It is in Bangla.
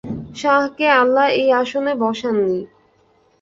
শাহকে আল্লাহ এই আসনে বসান নি।